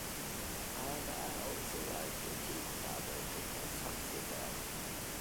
And I also like to teach the material to someone else.